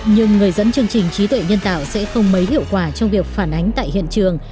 nhưng người dẫn chương trình trí tuệ nhân tạo sẽ không mấy hiệu quả trong việc phản ánh tại hiện trường